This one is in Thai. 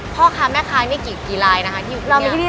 พ่อค้าแม่ค้านี่กี่ไลน์นะคะที่อยู่ที่นี่